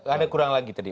ada kurang lagi tadi